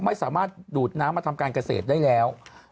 ไม่สามารถดูดน้ำมาทำการเกษตรได้แล้ว